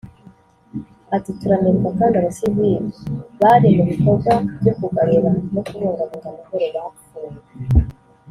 Ati” Turanibuka kandi abasivili bari mu bikorwa byo kugarura no kubungabunga amahoro bapfuye